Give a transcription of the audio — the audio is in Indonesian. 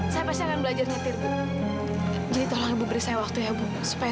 sampai jumpa di video selanjutnya